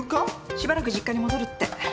しばらく実家に戻るって。